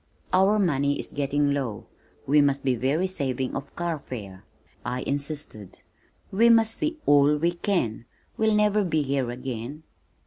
"Our money is getting low. We must be very saving of carfare," I insisted. "We must see all we can. We'll never be here again."